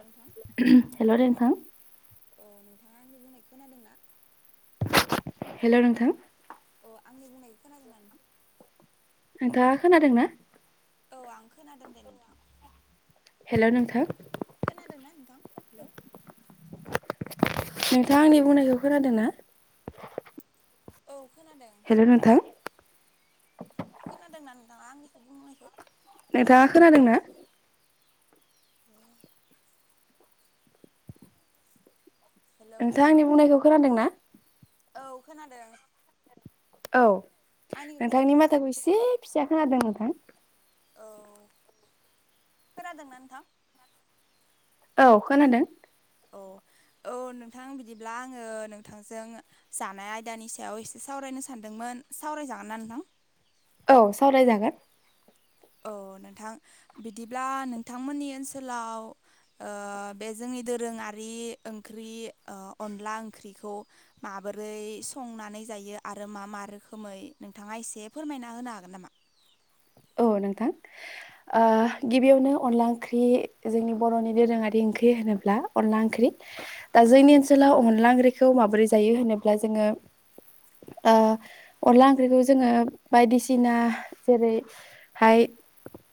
नोंथां हेल' नोथां। औ नोंथाङा आंनि बुंनाय खोनादोंना? [inaudible] हेल' नोंथां। आंनि बुंनायखौ खोनादोंना नों नोंथांआ खोनादोंना? औ आं खोनादों दे नोंथां। हेल' नोंथां। खोनादोंना नोंथां हेल'। नोंथाङा आंनि बुंनायखौ खोनादों ना? औ खोनादों हेल' नोंथा। खोनादोंना नोंथाङा आंनिखौ बुंनायखौ? नोंथाङा खोनादों ना? बे [inaudible] हेलौ नोंथांङा नोंथां आंनि बुंनायखौ खोनादों ना? औ खोनादो। औ नोंथांनि माथोखौ से फिसा खोनादों नोंथां। औ खोनादोंना नोंथां? औ खोनादों। औ औ नोंथां बिदिब्ला आङो नोंथांजों जानाय आयदानि सायाव एसे सावरायनो सानदोंमोन सावरायजागोन ना नोंथां? औ सावरायजागोन। औ नोंथां बिदिब्ला नोंथांमोननि ओनसोलाव ओ बे जोंनि दोरोङारि ओंख्रि ओ अनला ओंख्रिखौ माबोरै संनानै जायो आरो मा मा रोखोमै नोंथाङा एसे फोरमायना होनो हागोन नामा? औ नोंथां ओ गिबियावनो अनला ओंख्रि जोंनि बर'नि दोरोङारि ओंख्रि होनोब्ला अनला ओंख्रि दा जोंनि ओनसोलाव अनला ओंख्रिखौ माबोरै जायो होनोब्ला जोङो ओ अनला ओंख्रिखौ जोङो बायदिसिना जेरै हाय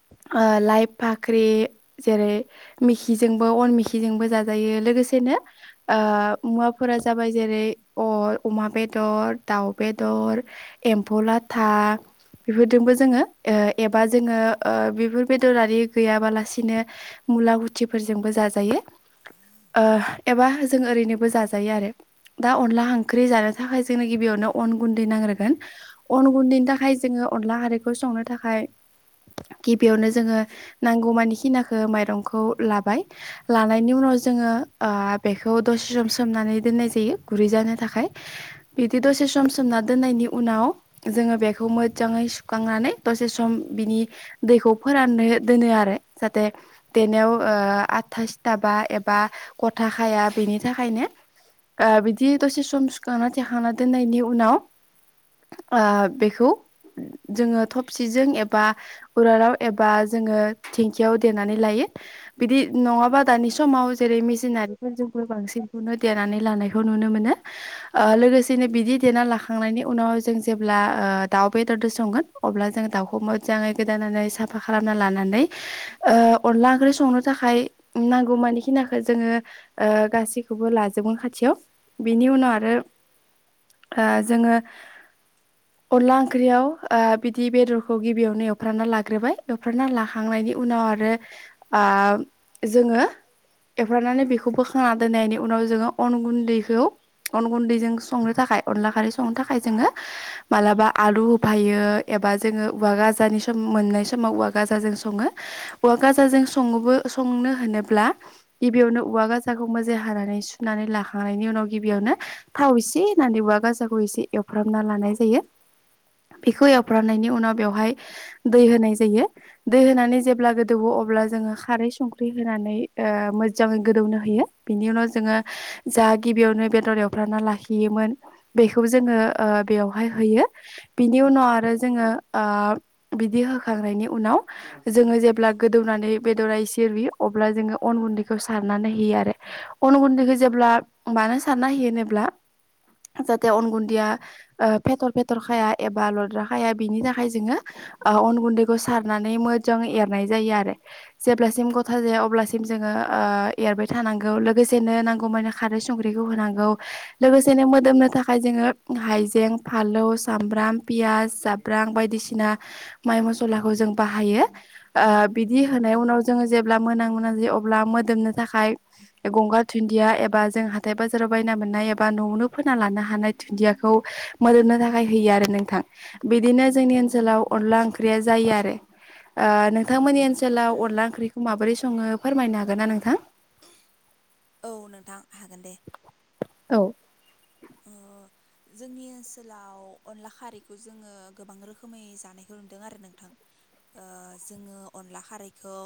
ओ लाइ फाख्रि जेरै मिखिजोंबो अन मिखिजोंबो जाजायो लोगोसेनो ओ मुवाफोरा जाबाय जेरै अर अमा बेदर दाउ बेदर एम्फौ लाथा इफोरदोंबो जोङो ओ एबा जोङो ओ बेफोर बेदर आरि गैयाबालाबासिनो मुला गुथिफोरजोंबो जाजायो ओ एबा जों ओरैनो बो जाजायो आरो दा अनला ओंख्रि जानो थाखाय गिबिआवनो जोंनो अन गुन्दै नांग्रोगोन अन गुनदैनि थाखाय जों अनला खारैखो संनो थाखाय गिबिआवनो जोङो नांगौ मानि खिनाखौ माइरंखौ लाबाय लानायनि उनाव जोङो ओ बेखौ दसे सम सोमनानै दोन्नाय जायो गुरै जानो थाखाय बिदि दसे सम सोमनानै दोन्नायनि उनाव जोङो बेखौ मोजांङै सुखांनानै दसे सम बिनि दैखौ फोराननो दोनो आरो जाहाथे देनायाव ओ आथथा सिथाबा एबा ग'था खाया बेनि थाखायनो ओ बिदि दसे सम सुखांना थेखांना दोननायनि उनाव ओ बेखौ जोङो थबसिजों एबा उराराव एबा जोङो थिंखियाव देनानै लायो बिदि नङाबा दानि समाव जेरै मिसिनारिफोर जोंबो बांसिनखौनो देनानै लानायखो नुनो मोनो ओ लोगोसेनो बिदि देना लाखांनायनि उनाव जों जेब्ला ओ दाउ बेदरदो संगोन अब्ला जों दावखो मो जाङै गोदानानै साफा खालामना लानानै ओ अनला ओंख्रि संनो थाखाय नांगौ मानि खिनाखौ जोङो ओ गासैबो लाजोबगोन खाथियाव बिनि उनाव आरो ओ जोङो अनला ओंख्रियाव ओ बिदि बेदरखौ गिबिआवनो फ्रानना लाग्रोबाय एवफ्राना लाखांनायनि उनाव आरो आ जोङो एवफ्रानानै बेखौ बोखांना दोननायनि उनाव जोङो अन गुन्दैखौ अन गुन्दैजों संनो थाखाय अनला खारै संनो थाखाय जोङो मालाबा आलु होफायो एबा जोङो उवा गाजानि स जों मोननाय समाव उवा गाजाजों सङो औवा गाजाजों सङोबो संनो होनोब्ला गिबियावनो उवा गाजाखौ मोजाय हानानै सुनानै लाखांनायनि उनाव गिबियावनो थाव एसे होननानै उवा गाजाखौ एसे एवफ्रामना लानाय जायो बिखौ एवफ्रामनायनि उनाव बेवहाय दै होनाय जायो दै होनानै जेब्ला गोदौवो अब्ला जोङो खारै संख्रि होनानै ओ मोजाङै गोदौनो होयो बिनि उनाव जोङो जा गिबियावनो बेदर एवफ्रामना लाखियोमोन बेखौ जोङो ओ बेवहाय होयो बिनि उनाव आरो जोङो ओ बिदि होखांनायनि उनाव जोङो जेब्ला गोदौनानै बेदरा एसे रुयो अब्ला जोङो अन गुन्दैखौ सारनानै होयो आरो अन गुन्दैखौ जेब्ला मानो सारना होयो होनोब्ला जाहाथे अन गुन्दैया फेथर फेथर खाया एबा लद्रा खाया बिनि थाखाय जोङो ओ अन गुन्दैखौ सारनानै मोजांयै एरनाय जायो आरो जेब्लासिम गथा जाया अब्लासिम जोङो ओ एरबाय थानांगौ लोगोसेनो नांगौमानि खारै संख्रिखौ होनांगौ लोगोसेनो मोदोमनो थाखाय जोङो हाइजें फालौ सामब्राम पियास जाब्रां बायदिसिना माइ मसलाखौ जों बाहायो बिदि ओ होनाय उनाव जोङो जेब्ला मोनां मोनां जायो अब्ला मोदोमनो थाखाय गंगार दुन्दिया एबा जों हाथाय बाजाराव बायना मोननाय एबा न'आवनो फोना लानो हानाय धुन्दियाखौ मोदोमनो थाखाय होयो आरो नोंथां बिदिनो जोंनि ओनसोलाव अनला ओं ख्रिया जायो आरो। ओ नोंथांमोननि ओनसोलाव अनला ओंख्रि माबोरै सङो फोरमायनो हागोन ना नोंथां? औ नोंथां हागोन दे औ ओ जोंनि ओनसोलाव अनला खारैखौ जोङो गोबां रोखोमै जानायखौ नुदों आरो नोंथां जोङो अनला खारैखौ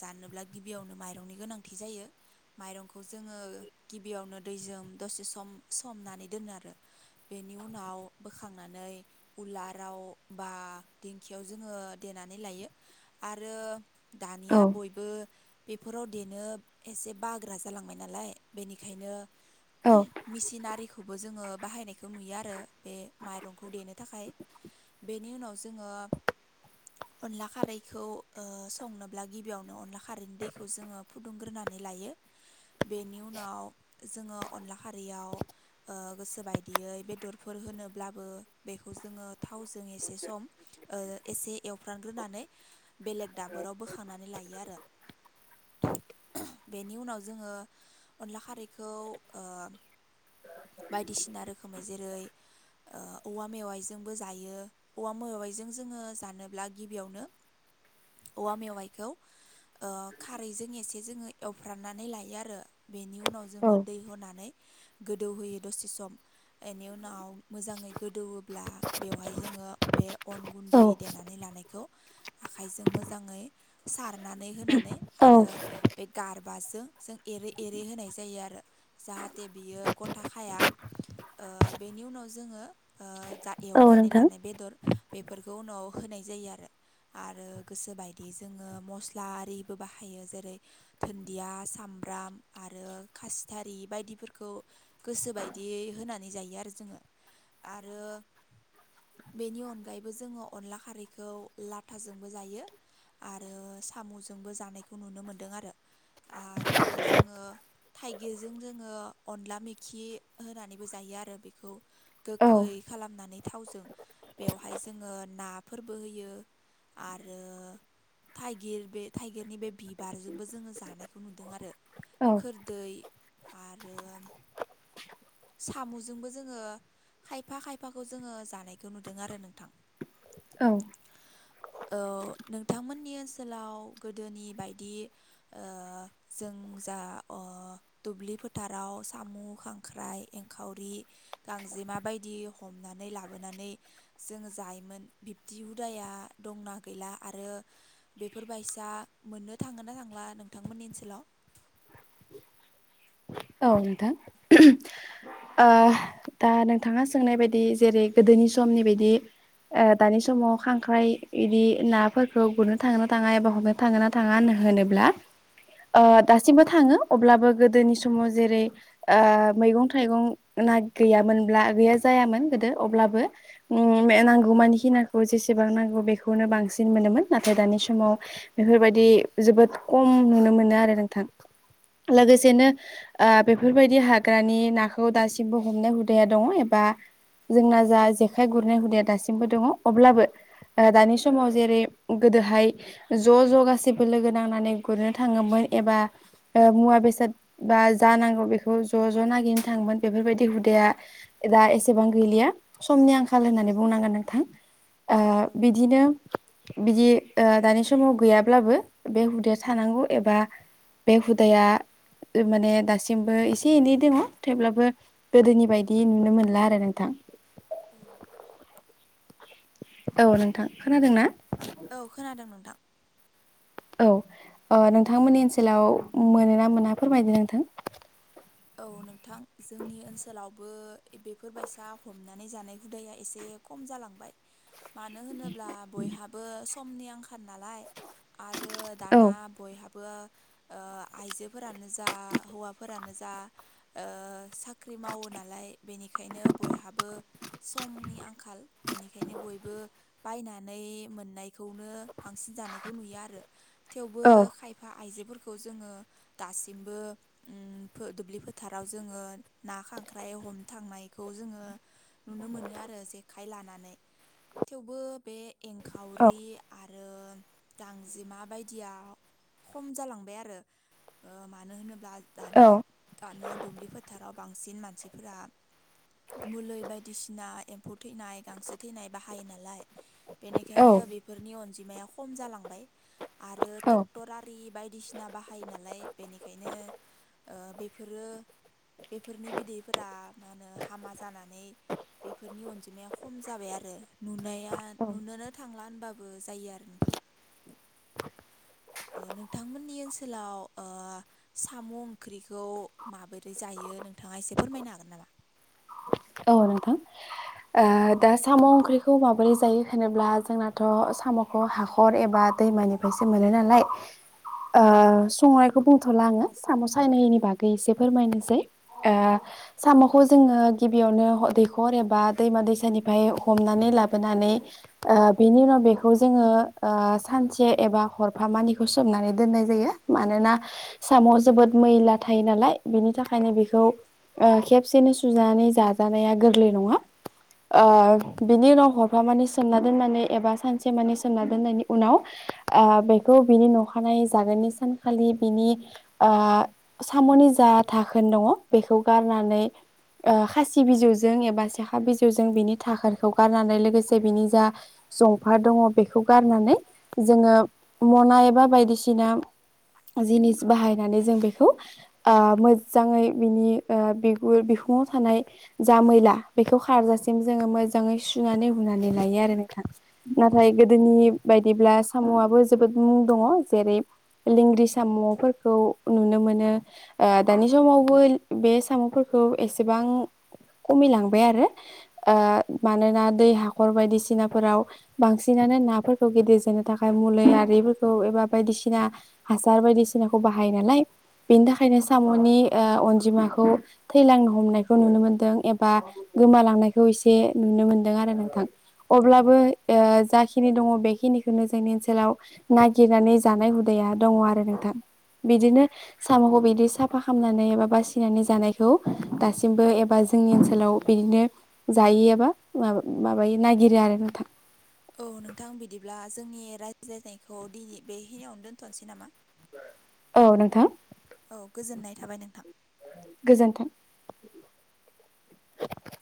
जानोब्ला गिबियावनो माइरंनि गोनांथि जायो माइरंखौ जोङो गिबियावनो दैजों दसे सोम दसे सम सोमनानै दोनो आरो बेनि उनाव बोखांनानै उलाराव बा दिंखियाव जोङो देनानै लायो आरो। औ दानिया बयबो बेफोर अन देनो एसे बाग्रा जालांबाय नालाय बेनिखायनो औ [unintelligible] थिनारिखौबो जोङो बाहायनायखौ नुयो आरो बे माइरंखौ देनो थाखाय बे बेनि उनाव जोङो अनला खारैखौ संनोब्ला गिबियावनो अनला खारैनि दैखौ जोंङो फुदुं ग्रोनानै लायो बेनि उनाव जोङो अनला खारैयाव ओ गोसो बायदियै बेदरफोर होनोब्लाबो बेखौ जोङो थावजों ओ एसे सम एसे एवफ्रामग्रोनानै बेलेग दाबोराव बोखांनानै लायो आरो बेनि उनाव जोङो अनला खारैखौ ओ बायदिसिना रोखोमै जेरै ओ औवा मेवायजोंबो जायो औवा मेवायजों जोङो जानोब्ला गिबियावनो औवा मेवाइखौ ओ खारैजों एसे जोङो एवफ्रामनानै लायो आरो। बेनि उनाव जोङो दै औ होनानै गोदौहोयो दसे सम एनि उनाव मोजाङै गोदौवोब्ला बेवहाय जोङो बे अन गुन्दै देनानै लानायखौ आखाइजों मोजाङै सारनानै होनानै नै औ आरो बे गार बासजों जों एरै एरै होनाय जायो आरो जाहाथे जाहाथे बियो गथ खाया ओ बेनि उनाव जोङो जा औ एवनानै नोंथां लानाय बेदर बेफोरखौ उनाव होनाय जायो आरो आरो गोसोबायदि जोङो मस्ला आरिबो बाहायो जेरै दुन्दिया सामब्राम आरो खासथारि बायदिफोरखौ खौ गोसोबायदि होनानै जायो आरो जोङो आरो बेनि अनगायैबो जोङो अनला खारैखौ लाथाजोंबो जायो आरो साम'जोंबो जानायखौ नुनो मोनदों आरो आरो जोङो थाइगिरजों जोङो अनला मोखि होनानैबो जायो आरो बेखौ औ गोखै खालामनानै थावजों बेवहाय जोङो नाफोरबो होयो आरो थाइगिर बे थाइगिरनि बे बिबारजोंबो जोङो जानायखौ नुदों आरो। औ खोरदै [inaudible] साम'जोंबो जोङो खायफा खायफाखौ जोङो जानायखौ नुदों आरो नोंथां। औ औ नोंथांमोननि ओनसोलाव गोदोनि बायदि जों जा दुब्लि फोथाराव साम' खांख्राइ एंखावरि गांजेमा बायदि हमनानै लाबोनानै जोङो जायोमोन बिबदि हुदाया दंना गैला आरो बेफोरबायायसा मोननो थाङोना थांला नोंथांमोननि ओनसोलाव? औ नोंथां दा नोंथाङा सोंनाय बायदि जेरै गोदोनि समनि बायदि दानि समाव खांख्राइ बिदि नाफोरखौ गुरनो थाङोन ना थाङा एबा हमनो थांगोनना थाङा होननो होनोब्ला दासिमबो थाङो अब्लाबो गोदोनि स समाव जेरै आ मैगं थाइगं ना गैयामोनब्ला गैया जायामोन गोदो अब्लाबो उम नांगौमानिखि नाखौ जेसेबां नांगौ बेखौनो बांसिन मोनोमोन नाथाय दानि समाव बेफोरबायदि जोबोद खम नुनो मोनो आरो नोंथां औ लोगोसेनो आ बेफोरबायदि हाग्रानि नाखौ दासिमबो हमनाय हुदाया दङ एबा जोंना जा जेखाइ गुरनाय हुदाया दासिमबो दङ अब्लाबो दानि समाव जेरै गोदोहाय ज' ज' गाैसैबो लोगो नांनानै गुरनो थाङोमोन एबा मुवा बेसाद बा जानांगौ बेखौ ज' ज' नागिरनो थाङोमोन बेफोरबायदि हुदाया दा एसेबां गैलिया समनि आंखाल होननानै बुंनांगोन नोंथां औ बिदिनो बिदि दानि समाव गैयाब्लाबो बे हुदाया थानांगौ एबा बे हुदाया माने दासिमबो एसे एनै दङ थेवब्लाबो गोदोनि बायदि नुनो मोनला आरो नोंथां। औ औ नोंथां खोनादों ना? औ खोनादों नोंथां औ नोंथांमोननि ओनसोलाव मोनो ना मोना फोरमायदो नोंथां औ नोंथां जोंनि ओनसोलावबो बेफोरबायायसा हमनानै जानाय हुदाया एसे खम जालांबाय मानो होनोब्ला बयहाबो समनि आंखाल नालाय आरो औ दाना बयहाबो बो ओ आइजोफोरानो जा हौवाफोरानो जा साख्रि मावो नालाय बेनिखायनो बयहाबो समनि आंखाल बेनिखायनो बयबो बायनानै मोननायखौनो बांसिन जानायखौ नुयो आरो। थेवबो औ खायफा आइजोफोरखौ खौ जोङो दासिमबो ओ फो दुब्लि फोथाराव जोङो ना खांख्राइ हमनोथांनायखौ जोङो नुनो मोनो आरो जेखाइ लानानै थेवबो बे एंखावरि आरो गांजेमा बायदिया खम जालांबाय आरो मानो होनोब्ला दानि औ दानिया दुब्लि फोथाराव बांसिन मानसिफोरा मुलि बायदिसिना एम्फौ थैनाय गांसो थैनाय बाहायो नालाय औ बेनिखायनो बेफोरनि अन अनजिमाया खम जालांबाय आरो औ ट्रेक्टर आरि बायदिसिना बाहायो नालाय बेनिखायनो ओ बेफोरो बेफोरनि बिदैफोरा मा होनो हामा जानानै बेफोरनि अनजिमाया खम जाबाय आरो नुनाया नुनोनो थांला होनबाबो जायो आरो नोंथां नोंथांमोननि ओनसोलाव साम' ओंख्रिखौ माबोरै जायो नोंथाङा एसे फोरमायनो हागोन नामा? औ नोंथां दा साम' ओंख्रिखौ माबोरै जायो होनोब्ला जोंनाथ' साम'खौ हाखर एबा दैमानिफ्रायसो मोनो नालाय संनायखौ बुंथ'ला आङो साम' सायनानि बागै एसे फोरमायनोसै। औ साम'खौ जोङो गिबियावनो दैखर एबा दैमा दैसानिफ्राय हमनानै लाबोनानै बेनि उनाव बेखौ जोङो सानसे एबा हरफामानिखौ सोमनानै दोननाय जायो। मानोना साम'आव जोबोद मैला थायो नालाय बिनि थाखायनो बेखौ खेबसेनो सुनाय जाजानाया गोरलै नङा ओ औ बिनि उनाव हरफा माने सोमना दोननानै एबा सानसे माने सोमना दोननायनि उनाव बेखौ बिनि न'खानाय जागोननि सानखालि बिनि साम'नि जा थाखोन दङ बेखौ गारनानै [unintelligible] खासि बिजौजों एबा सेखा बिजौजों बिनि थाखारखौ गारनानै लोगोसे बिनि जा जंफा दङ बेखौ गारनानै जोङो मना एबा बायदिसिना जिनिस बाहायनानै जों बेखौ मोजाङै बिनि बिगुर बिहुं थानाय जा मैला बेखौ खारजासिम जोङो मोजाङै सुनानै हुनानै लायो आरो नोंथां नाथाय गोदोनि बायदिब्ला साम'आआबो जोबोद मुं दङ जेरै लंग्रि साम'फोरखौ नुनो मोनो। दानि समावबो बे साम'फोरखौ एसेबां खमिलांबाय आरो ओ मानोना दै हाखर बायदिसिनाफोराव बांसिनानो नाफोरखौ गिदिर जानो थाखाय मुलि आरिफोरखौ एबा बायदिसिना हासार बायदिसिनाखौ बाहायो नालाय खौ थै खौ नुनो मोनदों एबा गोमालांनायखौ एसे नुनो मोनदों आरो नोंथां अब्लाबो औ जाखिनि दङ बेखिनिखौनो जोंनि ओनसोलाव नागिरनानै जानाय हुदाया दङ आरो नोंथां बिदिनो साम'खौ बिदि साफा खालामनानै एबा बासिनानै जानायखौ दासिम एबा जोंनि ओनसोलाव बिदिनो जायो एबा माबायो नागिरो आरो नोंथां। औ नोंथां बिदिब्ला जोंनि राय्लायनाय खौ दिनै बेहिनियावनो दोन्थ'नोसै नामा। औ नोंथां। औ गोजोननाय थाबाय नोंथां। गोजोन्थों